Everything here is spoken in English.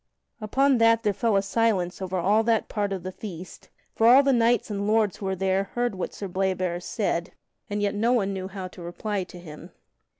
Upon that there fell a silence over all that part of the feast, for all the knights and lords who were there heard what Sir Bleoberis said, and yet no one knew how to reply to him.